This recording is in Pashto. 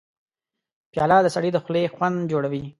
پیاله د سړي د خولې خوند جوړوي.